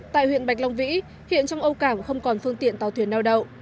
tại huyện bạch long vĩ hiện trong âu cảng không còn phương tiện tàu thuyền neo đậu